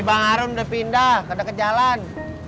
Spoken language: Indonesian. si bang arun udah pindah ke deket jalan